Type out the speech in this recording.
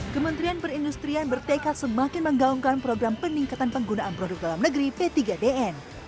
kementerian perindustrian bertekad semakin menggaungkan program peningkatan penggunaan produk dalam negeri p tiga dn